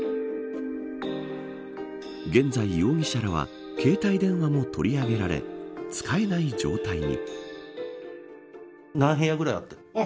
現在、容疑者らは携帯電話も取り上げられ使えない状態に。